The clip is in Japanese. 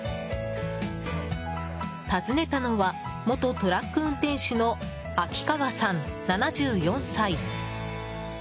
訪ねたのは、元トラック運転手の秋川さん、７４歳。